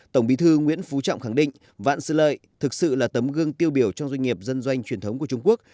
tổng bí thư nguyễn phú trọng khẳng định vạn sự lợi thực sự là tấm gương tiêu biểu trong doanh nghiệp dân doanh truyền thống của trung quốc